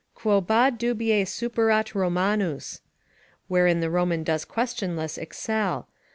"Quo baud dubie superat Romanus," ["Wherein the Roman does questionless excel."